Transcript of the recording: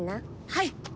はい。